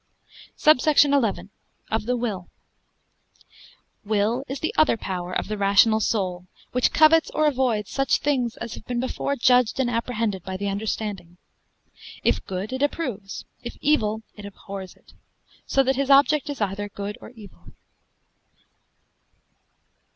SUBSECT. XI.—Of the Will. Will is the other power of the rational soul, which covets or avoids such things as have been before judged and apprehended by the understanding. If good, it approves; if evil, it abhors it: so that his object is either good or evil.